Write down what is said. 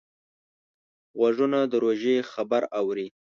غوږونه د روژې خبر اوري